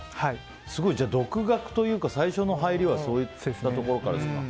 すごい、独学というか最初の入りはそういったところからですか。